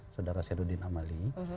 saudara sherudin amali